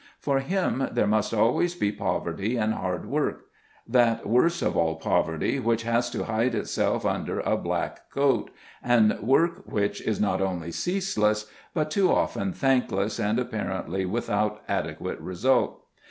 For him there must always be poverty and hard work, that worst of all poverty which has to hide itself under a black coat, and work which is not only ceaseless, but too often thankless and apparently without adequate result!